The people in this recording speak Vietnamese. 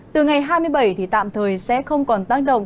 từ ngày hai mươi bảy thì tạm thời sẽ không còn tác động